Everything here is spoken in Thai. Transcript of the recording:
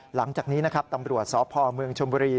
หลังจากนี้นะครับตำรวจสพเมืองชมบุรี